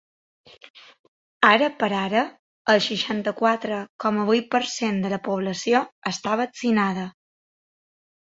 Ara per ara, el seixanta-quatre coma vuit per cent de la població està vaccinada.